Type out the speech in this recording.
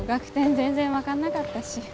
全然分かんなかったし。